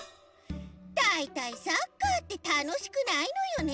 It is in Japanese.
だいたいサッカーってたのしくないのよね。